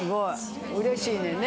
うれしいねんね。